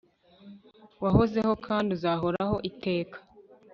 wahozeho kandi uzahoraho iteka